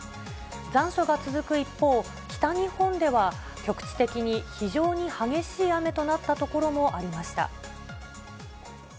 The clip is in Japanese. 残暑が続く一方、北日本では局地的に非常に激しい雨となった所もありました。